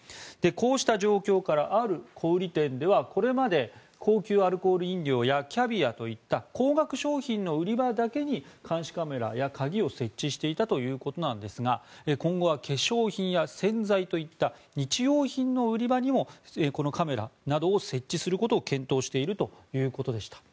こうした状況からある小売店ではこれまで高級アルコール飲料やキャビアといった高額商品の売り場だけに監視カメラや鍵を設置していたということですが今後は化粧品や洗剤といった日用品の売り場にもこのカメラなどを設置することを検討しているということでした。